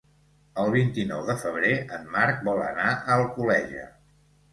El vint-i-nou de febrer en Marc vol anar a Alcoleja.